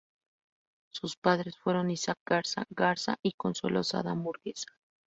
Sus padres fueron Isaac Garza Garza y Consuelo Sada Muguerza.